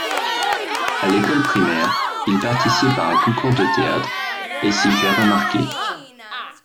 À l'école primaire, il participe à un concours de théâtre et s'y fait remarquer.